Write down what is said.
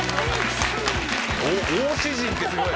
大詩人ってすごい。